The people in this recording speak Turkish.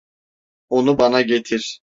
Onu bana getir.